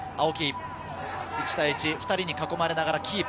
１対１、２人に囲まれながらキープ。